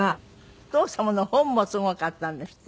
お父様の本もすごかったんですって？